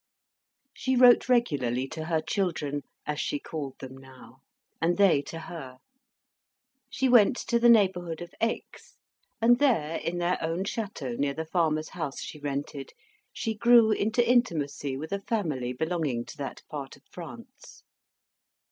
She wrote regularly to her children (as she called them now), and they to her. She went to the neighbourhood of Aix; and there, in their own chateau near the farmer's house she rented, she grew into intimacy with a family belonging to that part of France.